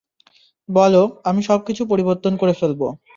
বলো, আমি সব কিছু পরিবর্তন করে ফেলবো।